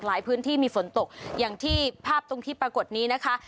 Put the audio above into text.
พื้นที่มีฝนตกอย่างที่ภาพตรงที่ปรากฏนี้นะคะ